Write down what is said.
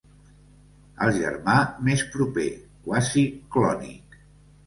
El germà més proper, quasi clònic.